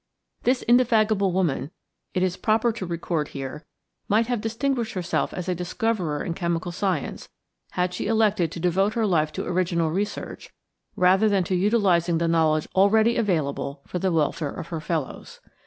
This indefatigable woman, it is proper to record here, might have distinguished herself as a discoverer in chemical science had she elected to devote her life to original research rather than to utilizing the knowledge already available for the welfare of her fellows.